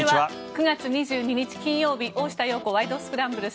９月２２日、金曜日「大下容子ワイド！スクランブル」。